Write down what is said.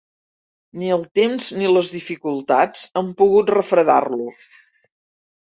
Ni el temps ni les dificultats han pogut refredar-lo.